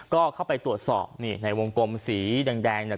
ก็เข้าไปตรวจสอบนี่ในวงกลมสีแดงเนี่ย